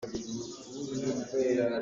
Tuni cu naa dawh khun.